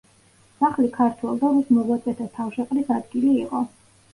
სახლი ქართველ და რუს მოღვაწეთა თავშეყრის ადგილი იყო.